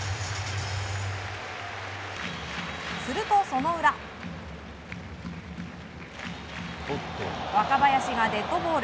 すると、その裏。若林がデッドボール。